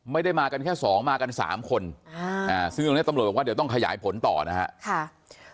ไม่ได้มากันแค่สองมากัน๓คนซึ่งตรงนี้ตำรวจบอกว่าเดี๋ยวต้องขยายผลต่อนะครับ